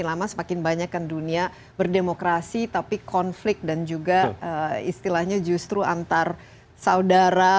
lama semakin banyak kan dunia berdemokrasi tapi konflik dan juga istilahnya justru antar saudara